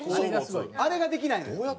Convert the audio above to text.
あれができないのよ。